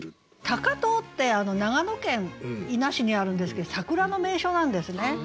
高遠って長野県伊那市にあるんですけど桜の名所なんですね。